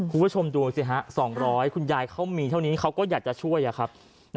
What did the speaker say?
คุณผู้ชมดูสิฮะ๒๐๐คุณยายเขามีเท่านี้เขาก็อยากจะช่วยครับ